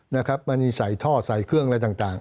มันมีใส่ท่อใส่เครื่องอะไรต่าง